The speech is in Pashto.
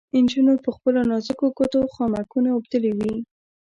نجونو په خپلو نازکو ګوتو خامکونه اوبدلې وې.